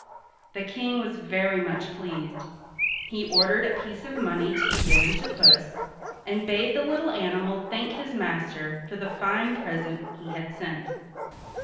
The King was very much pleased. He ordered a piece of money to be given to Puss, and bade the little animal thank his master for the fine present he had sent.